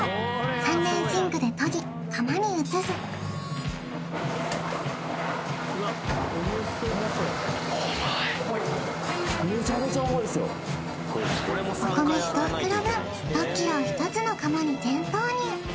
３連シンクで研ぎ釜に移すお米１袋分６ｋｇを１つの釜に全投入